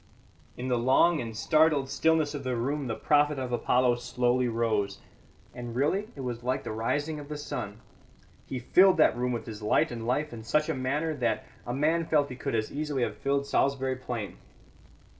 In the long and startled stillness of the room the prophet of Apollo slowly rose; and really it was like the rising of the sun. He filled that room with his light and life in such a manner that a man felt he could as easily have filled Salisbury Plain.